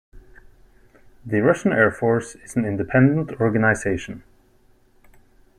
The Russian Air Force is an independent organization.